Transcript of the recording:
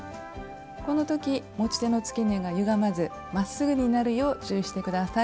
この時持ち手の付け根がゆがまずまっすぐになるよう注意して下さい。